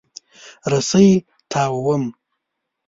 رسۍ تاووم.